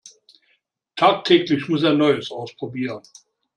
Tagtäglich muss er Neues ausprobieren.